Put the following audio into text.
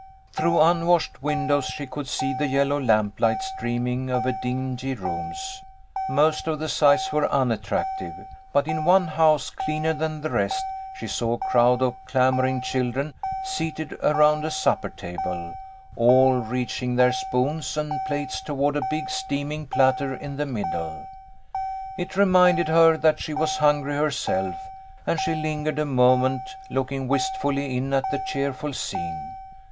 Through unwashed windows she could see the yellow lamplight streaming over dingy rooms. Most of the sights were unattractive, but in one house, cleaner than the rest, she saw a crowd of clamouring children seated around a supper table, all reaching their spoons and plates toward a big steaming platter in the middle. It reminded her that she was hungry herself, and she lingered a moment, looking wistfully in at the cheerful scene.